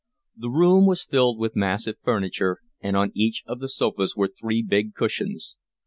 The room was filled with massive furniture, and on each of the sofas were three big cushions.